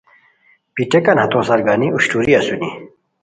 پیٹیکان ہتو سارگانی اوشٹوری اسونی